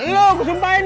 lu aku sumpahin